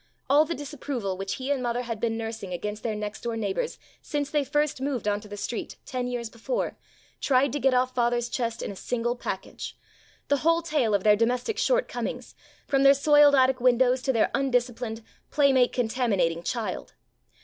All the disapproval which he and mother had been nursing against their next door neighbors since they first moved on to the street, ten years be fore, tried to get off father's chest in a single package вҖ" the whole tale of their domestic shortcomings, from their soiled attic windows to their undisciplined, play mate contaminating child.